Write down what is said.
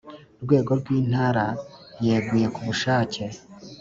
rwego rw Intara yeguye ku bushake